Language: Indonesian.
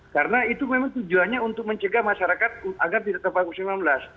karena itu memang tujuannya untuk mencegah masyarakat agar tidak terbang musim ke sembilan belas